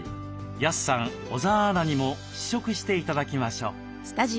安さん小澤アナにも試食して頂きましょう。